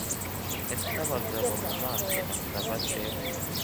Ese abagabo mumaso basa bate